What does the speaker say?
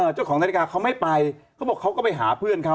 เจ้าของนาฬิกาเขาไม่ไปเขาบอกเขาก็ไปหาเพื่อนเขา